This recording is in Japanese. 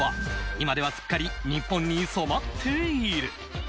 今ではすっかり日本に染まっている。